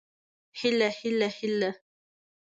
هيله هيله هيله